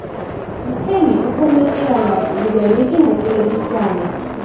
მთელი უფრო მეტი რამ არის, ვიდრე მისი ნაწილების ჯამი.